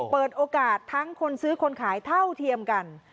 เปิดโอกาสทั้งคนซื้อคนขายเท่าเทียมกัน